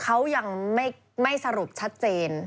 เขายังไม่สรุปชัดเจน